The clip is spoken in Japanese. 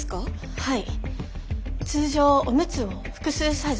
はい。